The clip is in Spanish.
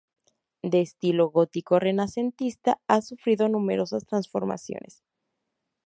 De estilo gótico-renacentista ha sufrido numerosas transformaciones.